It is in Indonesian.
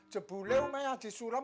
jepulew mah haji sulam